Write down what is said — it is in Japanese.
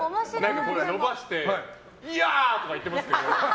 伸ばして、いやー！とか言ってますけど。